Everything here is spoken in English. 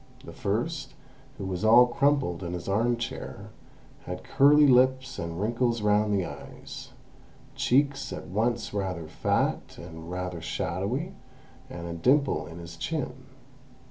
The first, who was all crumpled in his arm chair, had curly lips and wrinkles round the eyes, cheeks at once rather fat and rather shadowy, and a dimple in his chin.